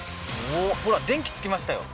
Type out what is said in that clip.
ほら電気つきましたよ